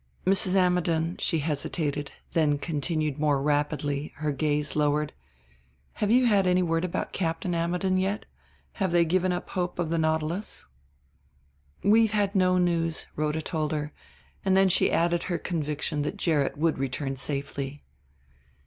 Mrs. Ammidon," she hesitated, then continued more rapidly, her gaze lowered, "have you had any word about Captain Ammidon yet? Have they given up hope of the Nautilus?" "We've had no news," Rhoda told her, and then she added her conviction that Gerrit would return safely.